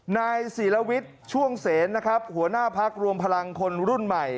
นายศิลวิทย์ช่วงเสนนะครับหัวหน้าพักรวมพลังคนรุ่นใหม่